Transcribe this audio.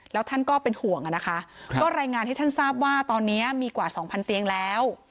แล้วท่านก็เป็นห่วงอะนะคะก็รายงานให้ท่านทราบว่าตอนนี้มีกว่า๒๐๐เตียงแล้ว